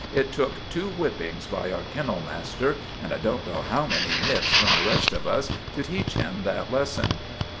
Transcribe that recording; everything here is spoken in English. It took two whippings by our kennel master, and I don't know how many nips from the rest of us, to teach him that lesson.